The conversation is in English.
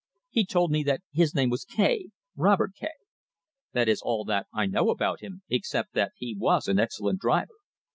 He told me that his name was Kay Robert Kay. That is all that I know about him, except that he was an excellent driver.